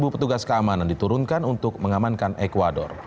tiga belas petugas keamanan diturunkan untuk mengamankan ecuador